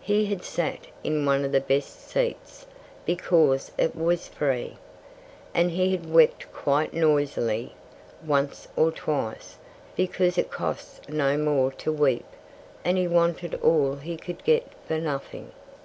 He had sat in one of the best seats, because it was free. And he had wept quite noisily, once or twice, because it cost no more to weep and he wanted all he could get for nothing.